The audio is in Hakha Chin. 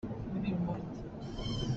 Puan a phomi khi ka far a si.